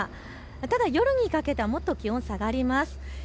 ただ夜にかけてはもっと気温下がります。